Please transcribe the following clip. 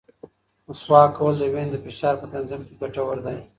مسواک وهل د وینې د فشار په تنظیم کې ګټور دی.